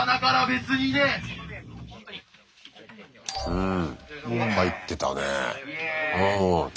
うん。